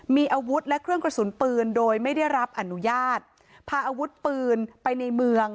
มีอาวุธและเครื่องกระสุนปืนโดยไม่ได้รับอนุญาตพาอาวุธปืนไปในเมือง